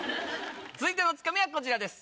続いてのツカミはこちらです。